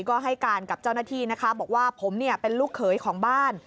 ก็ให้การกับเจ้าหน้าที่นะคะบอกว่าผมเนี่ยเป็นลูกเขยของบ้าน